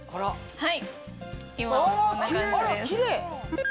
はい。